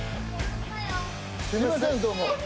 すいませんどうも。